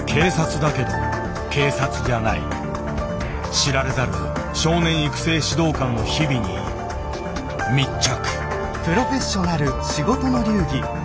知られざる少年育成指導官の日々に密着。